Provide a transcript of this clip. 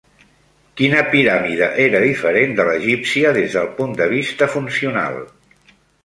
Quina piràmide era diferent de l'egípcia des del punt de vista funcional?